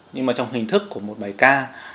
nhưng mà trong hình thức của một bài ca